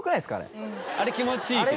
あれ気持ちいいけどね。